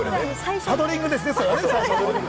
パドリングですかね。